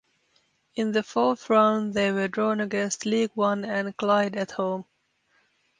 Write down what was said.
In the fourth round they were drawn against League One club Clyde at home.